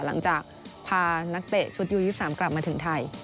หลังจากพานักแตะสุดยื่อยุคสามกลับมาถึงไทย